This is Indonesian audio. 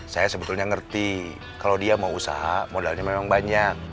saya sebetulnya ngerti kalau dia mau usaha modalnya memang banyak